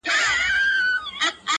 نن به هرڅه چا لرل سبا به خوار وو٫